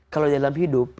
kalau dalam hidup